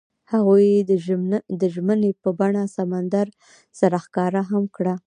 هغوی د ژمنې په بڼه سمندر سره ښکاره هم کړه.